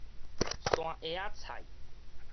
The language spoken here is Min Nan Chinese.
山萵仔菜